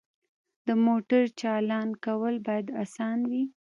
د موټر چالان کول باید اسانه وي.